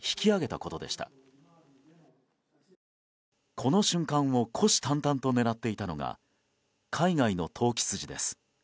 この瞬間を虎視眈々と狙っていたのが海外の投機筋です。